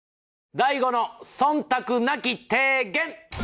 『大悟の忖度なき提言』！